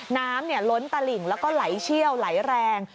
น้ำล้นตะหลิงแล้วก็ไหลเชี่ยวไหลแรง